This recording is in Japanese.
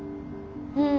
うん。